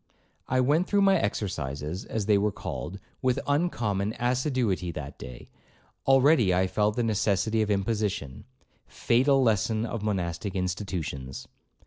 I went through my exercises (as they were called) with uncommon assiduity that day; already I felt the necessity of imposition,—fatal lesson of monastic institutions.